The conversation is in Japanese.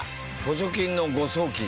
補助金の誤送金。